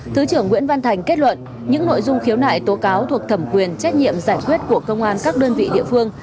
thứ trưởng nguyễn văn thành kết luận những nội dung khiếu nại tố cáo thuộc thẩm quyền trách nhiệm giải quyết của công an các đơn vị địa phương